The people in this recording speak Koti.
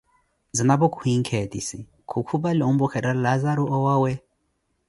Zanapo khuhinkheetisi, khu kupali ompwekerela Laazaru owaawe.